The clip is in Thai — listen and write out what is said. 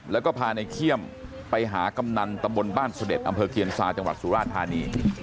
แล้วก็พาในเขี้ยมไปหากำนันตำบลบ้านเสด็จอำเภอเคียนซาจังหวัดสุราธานี